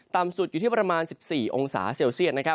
ต่ำสุดอยู่ที่ประมาณ๑๔องศาเซลเซียต